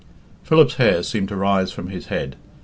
Philip's hair seemed to rise from his head.